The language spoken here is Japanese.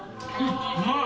うまい！